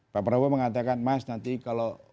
pak prabowo mengatakan mas nanti kalau